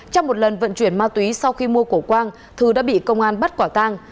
trong một lần vận chuyển ma túy sau khi mua cổ quang thư đã bị công an bắt quả tang